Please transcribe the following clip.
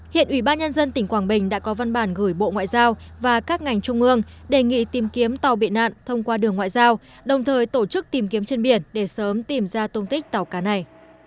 hiện ủy ban nhân dân tỉnh quảng bình đã có văn bản gửi bộ ngoại giao và các ngành trung ương đề nghị tìm kiếm tàu bị nạn thông qua đường ngoại giao đồng thời tổ chức tìm kiếm trên biển để sớm tìm ra tôn tích tàu cá này